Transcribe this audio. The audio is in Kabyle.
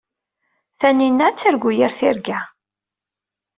Tanina ad targu yir tirga.